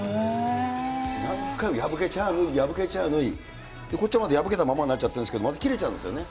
何回も破けちゃ縫い、破けちゃ縫い、こっちは、まだ破けたままになっちゃってるんですけど、また切れちゃうんですよね。